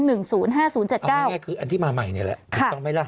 เอาง่ายคืออันที่มาใหม่เนี่ยแหละต้องไหมล่ะ